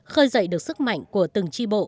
khơi dậy được sức mạnh của từng chi bộ